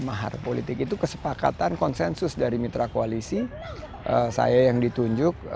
mahar politik itu kesepakatan konsensus dari mitra koalisi saya yang ditunjuk